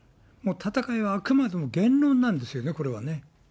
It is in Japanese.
戦いはあくまでも言論なんですよね、これはね。